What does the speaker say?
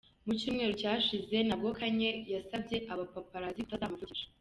Mu cyumweru cyashize nabwo Kanye yasabye abapaparazzi kutazamuvugisha.